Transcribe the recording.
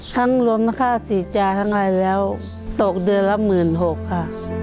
คำรวมนะคะศีรจาคังอะไรแล้วตกเดือนละหมื่นหกค่ะ